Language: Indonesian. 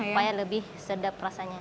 supaya lebih sedap rasanya